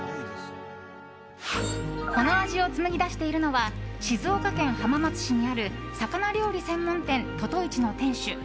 この味を紡ぎ出しているのは静岡県浜松市にある魚料理専門店魚魚一の店主